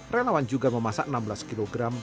relawan juga memasak enam belas kg